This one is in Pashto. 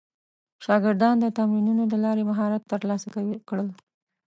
شاګردان د تمرینونو له لارې مهارت ترلاسه کړل.